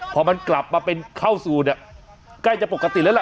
พอมันกลับมาเป็นเข้าสู่ใกล้จะปกติแล้วล่ะ